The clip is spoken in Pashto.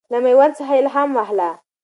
له میوند څخه الهام واخله.